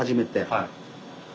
はい。